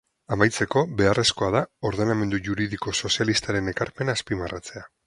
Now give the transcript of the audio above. Amaitzeko, beharrezkoa da ordenamendu juridiko sozialistaren ekarpena azpimarratzea.